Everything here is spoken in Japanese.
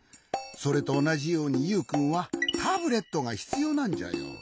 それとおなじようにユウくんはタブレットがひつようなんじゃよ。